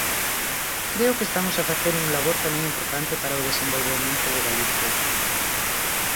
Creo que estamos a facer un labor tamén importante para o desenvolvemento de Galicia.